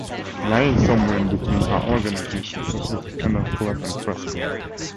Lying somewhere in between are organisations such as the Kennel Club and Press Club.